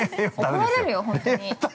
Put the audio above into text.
怒られるよ、本当に。